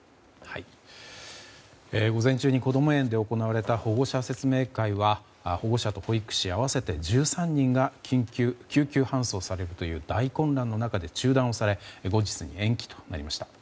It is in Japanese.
午前中に、こども園で行われた保護者説明会は保護者と保育士合わせて１３人が救急搬送されるという大混乱の中で中断され後日に延期となりました。